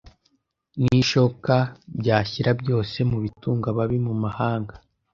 n'ishoka byashyira byose mubitunga ababi mumahanga.